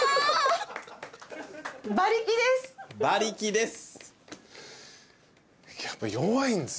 馬力です。